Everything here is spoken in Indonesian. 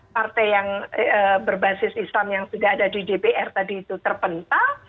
partai yang berbasis islam yang sudah ada di dpr tadi itu terpental